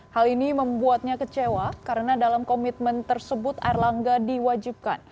hal ini membuatnya kecewa karena dalam komitmen tersebut erlangga diwajibkan